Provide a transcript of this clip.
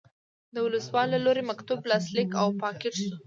د ولسوال له لوري مکتوب لاسلیک او پاکټ شو.